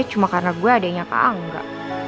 cuma karena gue adeknya kak angga